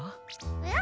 えっ？